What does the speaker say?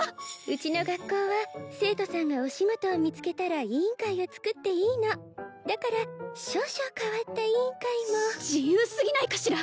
うちの学校は生徒さんがお仕事を見つけたら委員会を作っていいのだから少々変わった委員会も自由すぎないかしら？